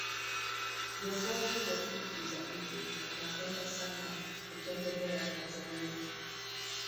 viongozi wa nchi za nje wanapenda sana kutembelea tanzania